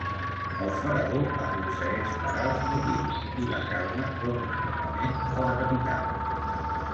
El faraó aconsegueix parar els motins, i la calma torna novament a la capital.